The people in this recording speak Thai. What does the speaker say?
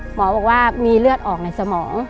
หมอบอกว่ามีเลือดออกในสมอง